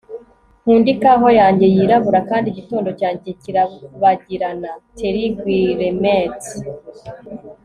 nkunda ikawa yanjye yirabura kandi igitondo cyanjye kirabagirana. - terri guillemets